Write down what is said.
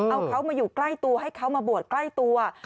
เอาเขามาอยู่ใกล้ตัวให้เขามาบวชใกล้ตัว